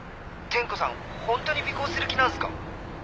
天子さんホントに尾行する気なんすか？